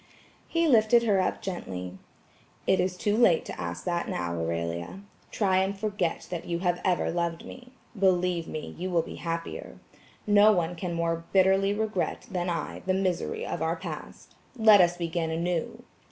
He lifted her up gently. "It is too late to ask that now, Aurelia. Try and forget that you have ever loved me. Believe me, you will be happier. No one can more bitterly regret than I the misery of our past. Let us begin anew."